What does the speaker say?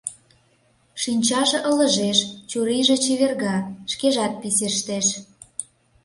Шинчаже ылыжеш, чурийже чеверга, шкежат писештеш.